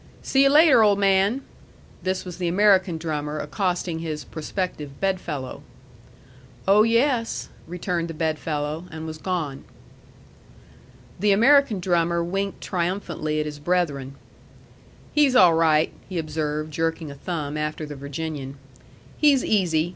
"See you later, old man!" This was the American drummer accosting his prospective bed fellow. "Oh, yes," returned the bed fellow, and was gone. The American drummer winked triumphantly at his brethren. "He's all right," he observed, jerking a thumb after the Virginian. "He's easy.